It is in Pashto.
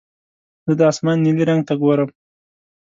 زه د اسمان نیلي رنګ ته ګورم.